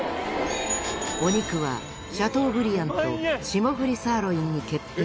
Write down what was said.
お肉はシャトーブリアンと霜降りサーロインに決定。